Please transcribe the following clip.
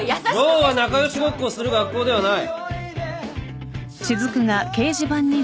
ローは仲良しごっこをする学校ではない！